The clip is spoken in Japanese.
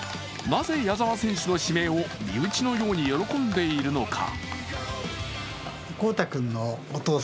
なぜ矢澤選手の指名を身内のように喜んでいるのか。